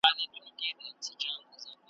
ستا د هري شېبې واک د خپل بادار دی `